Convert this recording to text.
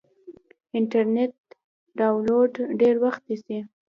انټرنیټ ډاونلوډ ډېر وخت نیسي.